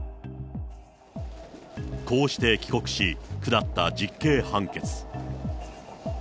こうして帰国し、下った実刑判決。